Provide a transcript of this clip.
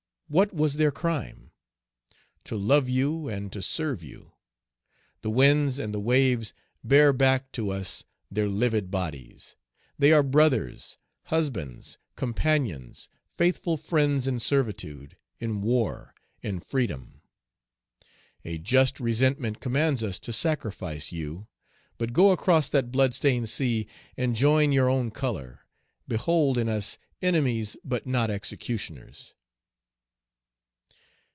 What was their crime? To love you and to serve you. The winds and the waves bear back to us their livid bodies. They are brothers, Page 269 husbands, companions, faithful friends in servitude, in war, in freedom. A just resentment commands us to sacrifice you; but go across that blood stained sea, and join your own color; behold in us enemies but not executioners."